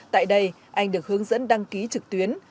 tại đây anh được hướng dẫn đăng ký trực tuyến